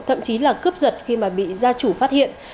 thậm chí là cướp giật khi mà bị gia chủ phát hiện